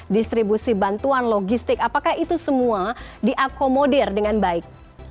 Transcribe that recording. distribusi bantuan logistik apakah itu semua diakomodir dengan baik